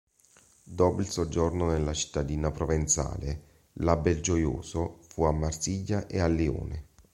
Dopo il soggiorno nella cittadina provenzale, la Belgiojoso fu a Marsiglia e a Lione.